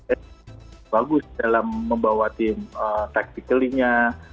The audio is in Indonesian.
eh bagus dalam membawa tim tactically nya